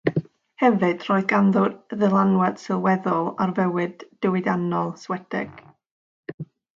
Hefyd, roedd ganddo ddylanwad sylweddol ar fywyd diwydiannol Swedeg.